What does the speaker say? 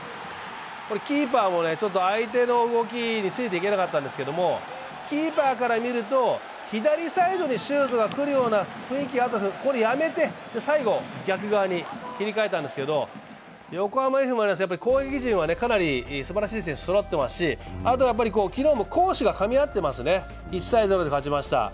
これ、キーパーも相手の動きについていけなかったんですけど、キーパーから見ると左サイドにシュートが来るような雰囲気があったんですけど、やめて最後、逆側に切り替えたんですけど横浜Ｆ・マリノス、攻撃陣かなりいい選手がいますしあとは攻守がかみ合っていますね、１−０で勝ちました。